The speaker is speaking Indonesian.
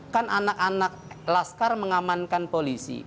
kan anak anak laskar mengamankan polisi